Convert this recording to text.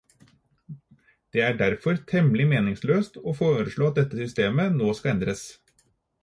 Det er derfor temmelig meningsløst å foreslå at dette systemet nå skal endres.